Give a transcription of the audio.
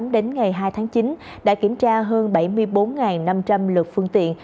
đến ngày hai tháng chín đã kiểm tra hơn bảy mươi bốn năm trăm linh lượt phương tiện